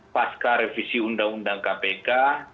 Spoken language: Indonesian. pasca revisi undang undang kpk